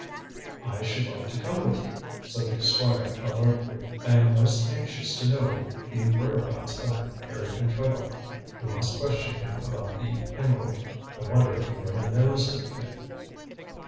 "I should like to come with you," said the Squire alertly. "I am most anxious to know the whereabouts of Harry Pentreddle. We must question him about the emerald. I wonder if he really knows anything?"